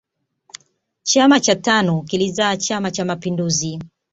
chama cha tanu kilizaa chama cha mapinduzi